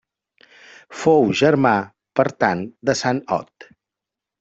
Fou germà, per tant, de Sant Ot.